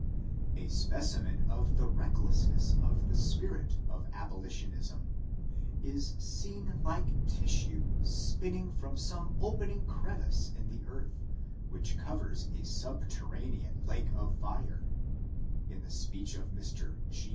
A specimen of the recklessness of the spirit of abo litionism, is seen like tissue spinning from some open ing crevice in the eaith, which covers a subterranean lake of fire, in the speech of Mr. 6r.